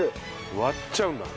割っちゃうんだ。